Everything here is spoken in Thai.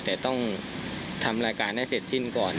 แต่ต้องทำรายการให้เสร็จสิ้นก่อน